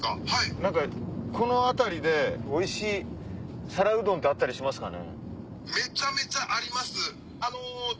何かこの辺りでおいしい皿うどんってあったりしますかね？